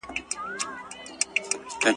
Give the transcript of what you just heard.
ټولنيز کار تر انفرادي کار اغېزناک دی.